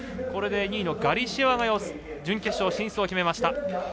これで２位のガリシェワが準決勝進出を決めました。